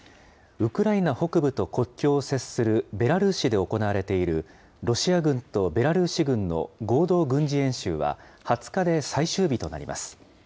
ウクライナ北部と国境を接するベラルーシで行われているロシア軍とベラルーシ軍の合同軍事演習は、２０日で最終日となります。